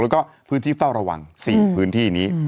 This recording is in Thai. แล้วก็พื้นที่เฝ้าระวัง๔พื้นที่นี้